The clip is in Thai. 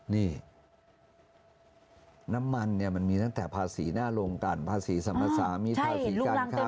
นี่น้ำมันเนี่ยมันมีตั้งแต่ภาษีหน้าโรงการภาษีสัมภาษามีภาษีการค้า